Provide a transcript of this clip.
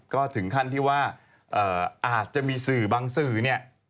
ก็ถึงขั้นที่ว่าอาจจะมีสื่อบางสื่อเนี่ย